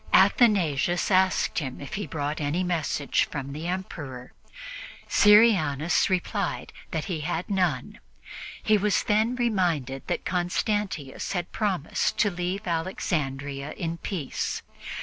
Athanasius asked him if he brought any message from the Emperor; Syrianus replied that he had none. He was then reminded that Constantius had promised to leave Alexandria in peace.